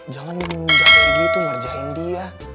jangan menunda lagi tuh ngerjain dia